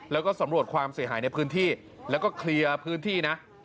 แล้วก็สำรวจความเสียหายในพื้นที่แล้วก็เคลียร์พื้นที่นะ